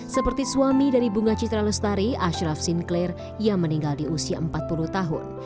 seperti suami dari bunga citra lestari ashraf sinclair yang meninggal di usia empat puluh tahun